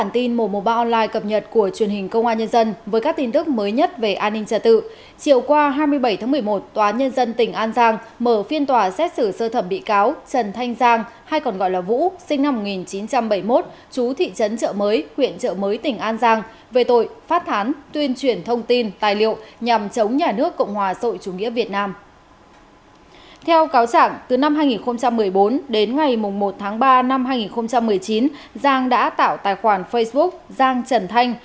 theo cáo chẳng từ năm hai nghìn một mươi bốn đến ngày một tháng ba năm hai nghìn một mươi chín giang đã tạo tài khoản facebook giang trần thanh